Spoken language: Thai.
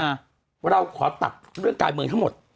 เราขอตัดเรื่องการเมืองทั้งหมด